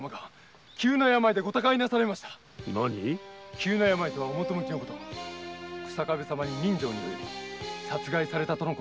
急な病とは表向きの事日下部様ににん傷に及び殺害されたとの事。